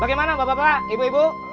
bagaimana bapak bapak ibu ibu